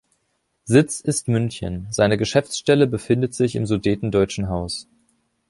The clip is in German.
Sitz ist München, seine Geschäftsstelle befindet sich im Sudetendeutschen Haus.